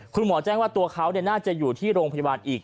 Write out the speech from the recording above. คุณหมอแจ้งว่าตัวเขาน่าจะอยู่ที่โรงพยาบาลอีก